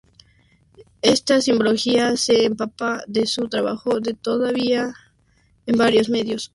Esta simbología se empapa de su trabajo de toda la vida en varios medios.